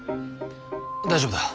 大丈夫だ。